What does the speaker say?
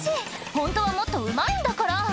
「ホントはもっとうまいんだから」